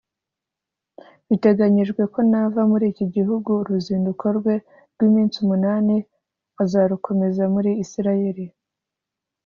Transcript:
Biteganyijwe ko nava muri iki gihugu uruzinduko rwe rw’iminsi umunani azarukomereza muri Israel